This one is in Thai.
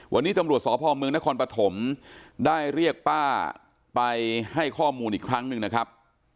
วันนี้ตำรวจสพเมืองนครปฐมได้เรียกป้าไปให้ข้อมูลอีกครั้งหนึ่งนะครับ